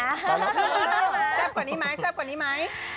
แซ่บกว่านี้ไหมแซ่บกว่านี้ไหม